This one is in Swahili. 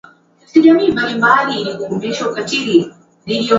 wa ulimwengu mgogoro uliotabiriwa kutokea mwishoni mwa